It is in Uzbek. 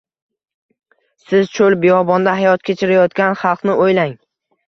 Siz, cho‘l-biyobonda hayot kechirayotgan xalqni o‘ylang!